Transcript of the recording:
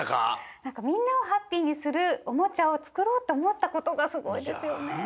なんかみんなをハッピーにするおもちゃをつくろうとおもったことがすごいですよねえ。